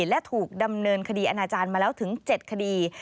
และถูกดำเนินคดีอาณาจารย์มาแล้วถึง๗คดี